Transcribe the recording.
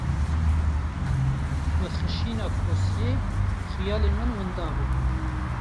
Bi xişîna kosiyê, xiyalê min winda bû.